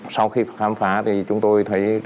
sau khi khám phá thì chúng tôi thấy